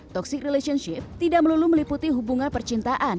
toxic relationship tidak melulu meliputi hubungan percintaan